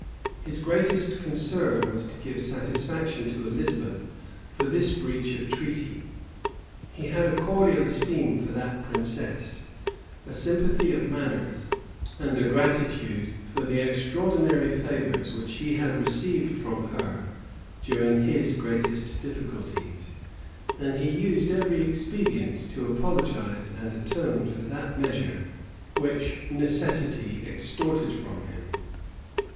His greatest concern was to give satisfaction to Elizabeth for this breach of treaty. He had a cordial esteem for that princess, a sympathy of manners, and a gratitude for the extraordinary favors which he had received from her during his greatest difficulties: and he used every expedient to apologize and atone for that measure which necessity extorted from him.